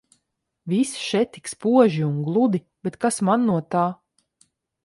Viss še tik spoži un gludi, bet kas man no tā.